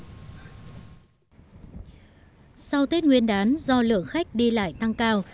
sau tết nguyên đán do lượng khách đi lại tăng cao